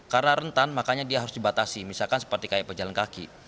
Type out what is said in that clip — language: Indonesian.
karena rentan makanya dia harus dibatasi misalkan seperti kayak pejalan kaki